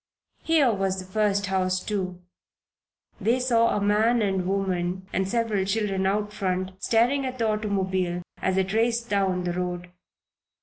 Here was the first house, too. They saw a man and woman and several children out front, staring at the automobile as it raced down the road.